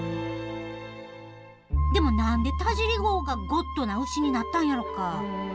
でも何で田尻号がゴッドな牛になったんやろか？